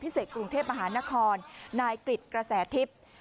เศษกรุงเทพมหานครนายกริจกระแสทิพย์